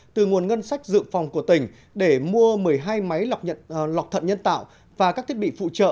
từ nguồn ngân sách dự phòng của tỉnh để mua một mươi hai máy lọc thận nhân tạo và các thiết bị phụ trợ